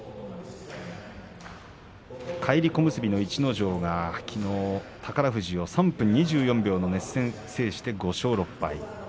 返り小結の逸ノ城がきのう宝富士との３分２４秒の熱戦を制して、５勝６敗。